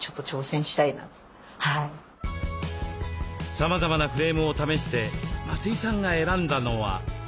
さまざまなフレームを試して松井さんが選んだのは。